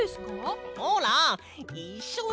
ほらいっしょに！